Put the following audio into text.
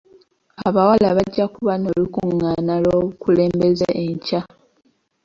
Abawala bajja kuba n'olukungaana lw'obukulembeze enkya.